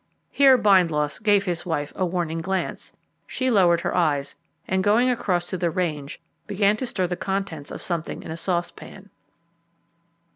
Here Bindloss gave his wife a warning glance; she lowered her eyes, and going across to the range, began to stir the contents of something in a saucepan.